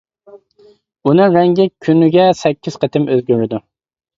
ئۇنىڭ رەڭگى كۈنىگە سەككىز قېتىم ئۆزگىرىدۇ.